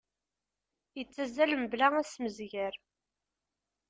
Ittazal mebla asemmezger.